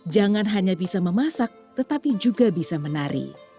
jangan hanya bisa memasak tetapi juga bisa menari